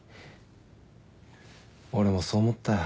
俺もそう思ったよ。